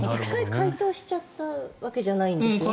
１回解凍しちゃったわけじゃないんですよね。